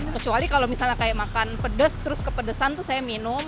kecuali kalau misalnya kayak makan pedes terus kepedesan tuh saya minum